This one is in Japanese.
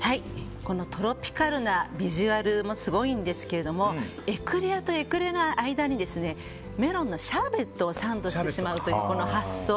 このトロピカルなビジュアルもすごいんですがエクレアとエクレアの間にメロンのシャーベットをサンドしてしまうという発想。